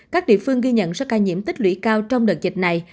các địa phương ghi nhận số ca nhiễm tích lũy cao trong đợt dịch này